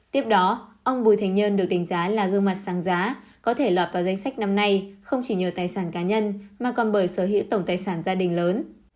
tiếp đó ông bùi thành nhân được đánh giá là gương mặt sáng giá có thể lọt vào danh sách năm nay không chỉ nhờ tài sản cá nhân mà còn bởi sở hữu tổng tài sản gia đình lớn